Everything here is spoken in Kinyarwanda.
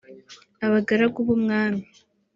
Abagaragu b’Umwami